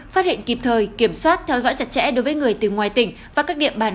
phát hiện kịp thời kiểm soát theo dõi chặt chẽ đối với người từ ngoài tỉnh và các địa bàn